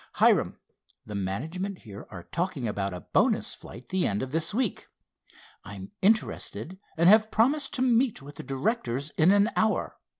"Hiram, the management here are talking about a bonus flight the end of this week. I'm interested and have promised to meet with the directors in an hour.